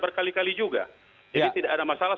berkali kali juga jadi tidak ada masalah